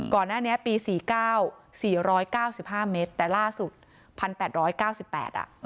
ก่อนหน้านี้ปี๔๙๔๙๕เมตรแต่ล่าสุด๑๘๙๘อ่ะ